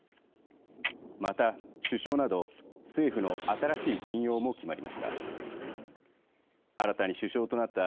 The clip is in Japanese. また、首相など政府の新しい陣容も決まりました。